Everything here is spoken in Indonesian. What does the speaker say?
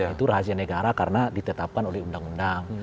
itu rahasia negara karena ditetapkan oleh undang undang